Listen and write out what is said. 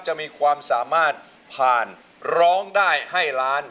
จะมีความสามารถผ่านร้องได้ให้ล้าน